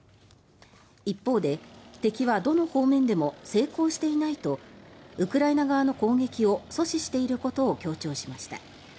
一方で、敵はどの方面でも成功していないとウクライナ側の攻撃を阻止していることを強調しました。